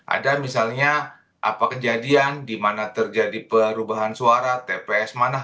ada misalnya apa kejadian di mana terjadi perubahan suara tps mana